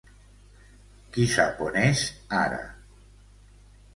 Qui sap on és, ara!